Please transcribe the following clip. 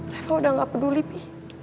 reva udah gak peduli pi